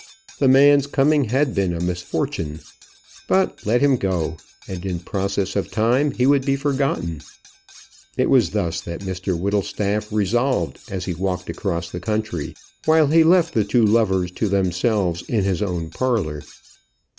The man's coming had been a misfortune; but let him go, and in process of time he would be forgotten. It was thus that Mr Whittlestaff resolved as he walked across the country, while he left the two lovers to themselves in his own parlour.